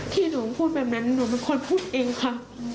ที่หนูพูดแบบนั้นหนูเป็นคนพูดเองค่ะ